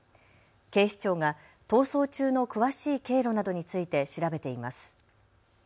警視庁が逃走中の詳しい経路などについて調べています。